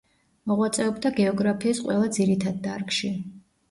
მოღვაწეობდა გეოგრაფიის ყველა ძირითად დარგში.